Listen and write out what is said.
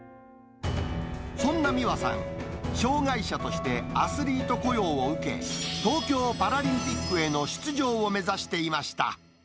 そんな美和さん、障がい者としてアスリート雇用を受け、東京パラリンピックへの出場を目指していました。